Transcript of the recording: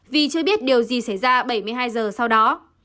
vì chưa biết điều gì xảy ra bảy mươi hai giờ sau đó